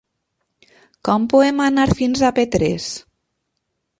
Com podem anar fins a Petrés?